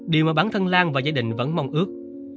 điều mà bản thân lan và gia đình vẫn mong ước